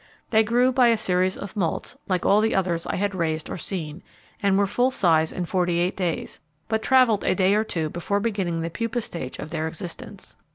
They grew by a series of moults, like all the others I had raised or seen, and were full size in forty eight days, but travelled a day or two before beginning the pupa stage of their existence.